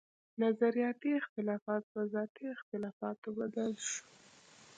نظرياتي اختلافات پۀ ذاتي اختلافاتو بدل شو